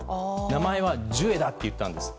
名前はジュエだって言ったんです。